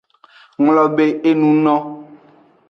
Nglobe enu hunu.